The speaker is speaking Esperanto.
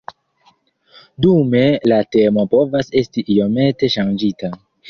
Dume la temo povas esti iomete ŝanĝita.